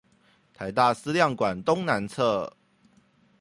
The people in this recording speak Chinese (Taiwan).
臺大思亮館東南側